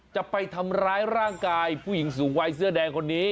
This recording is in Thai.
จะไปทำร้ายร่างกายผู้หญิงสูงวัยเสื้อแดงคนนี้